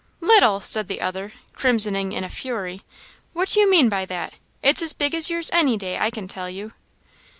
"Little!" said the other, crimsoning in a fury "what do you mean by that? it's as big as yours any day, I can tell you."